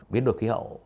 biến đổi khí hậu